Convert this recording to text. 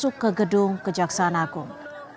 masuk ke gedung kejaksaan agung